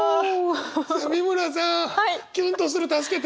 美村さんキュンとする助けて！